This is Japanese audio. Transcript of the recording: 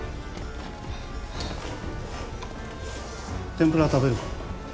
天ぷら食べるか？